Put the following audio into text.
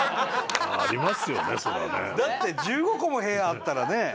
だって１５個も部屋あったらね。